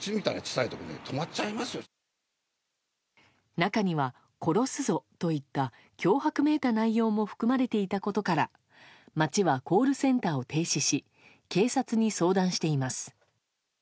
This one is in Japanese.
中には、殺すぞといった脅迫めいた内容も含まれていたことから町はコールセンターを停止し警察に相談しています。